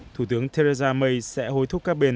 thủ tướng theresa may sẽ hối thúc các bên